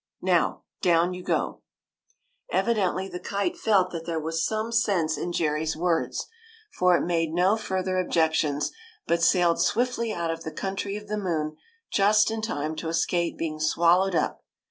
Now, down you go ! ''\y'' Evidently, the kite felt that there was some sense in Jerry's words, for it made no further objections, but sailed swiftly out of the country of the moon just in time to escape being swal lowed up.